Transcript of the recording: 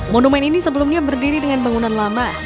monumen ini sebelumnya berdiri dengan bangunan lama